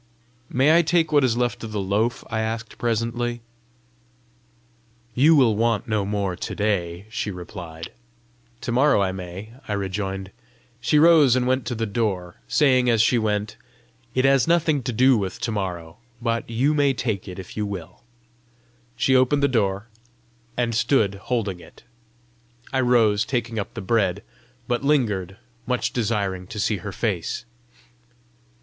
"May I take what is left of the loaf?" I asked presently. "You will want no more to day," she replied. "To morrow I may!" I rejoined. She rose and went to the door, saying as she went, "It has nothing to do with to morrow but you may take it if you will." She opened the door, and stood holding it. I rose, taking up the bread but lingered, much desiring to see her face.